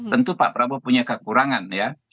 tentu pak prabowo punya kekurangan ya